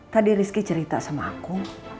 tadi rizky cerita sama aku